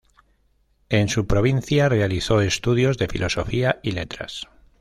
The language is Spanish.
En su provincia realizó estudios de Filosofía y Letras.